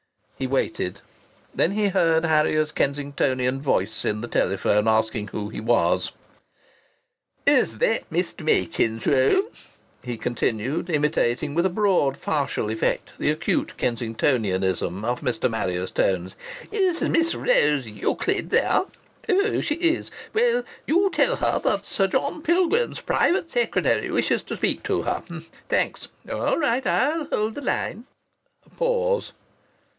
He waited. Then he heard Harrier's Kensingtonian voice in the telephone asking who he was. "Is that Mr. Machin's room?" he continued, imitating with a broad farcical effect the acute Kensingtonianism of Mr. Marrier's tones. "Is Miss Ra ose Euclid there? Oh! She is! Well, you tell her that Sir John Pilgrim's private secretary wishes to speak to her? Thanks. All right. I'll hold the line." A pause.